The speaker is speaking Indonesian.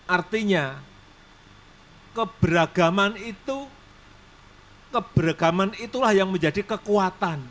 artinya keberagaman itu keberagaman itulah yang menjadi kekuatan